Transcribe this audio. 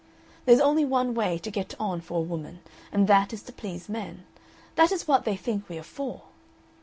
There's only one way to get on for a woman, and that is to please men. That is what they think we are for!"